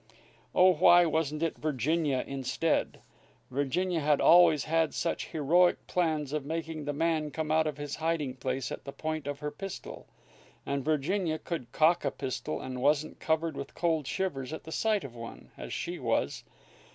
Oh, why wasn't it Virginia instead? Virginia had always had such heroic plans of making the man come out of his hiding place at the point of her pistol; and Virginia could cock a pistol and wasn't covered with cold shivers at the sight of one, as she was.